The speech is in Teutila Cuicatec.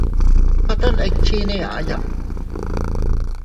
Aata ndikchinne aʼaya.